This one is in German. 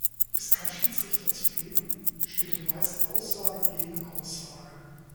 Ist kein Schiedsrichter zugegen, steht dann meist Aussage gegen Aussage.